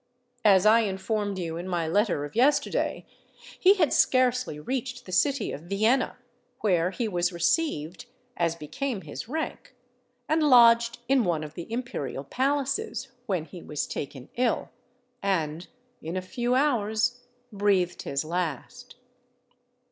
As I informed you in my letter of yesterday, he had scarcely reached the city of Vienna, where he was received as became his rank, and lodged in one of the imperial palaces, when he was taken ill, and in a few hours breathed his last.